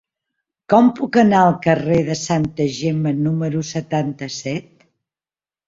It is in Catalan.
Com puc anar al carrer de Santa Gemma número setanta-set?